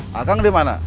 pak kang di mana